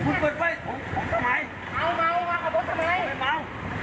ลดตรงคือได้วิ่ง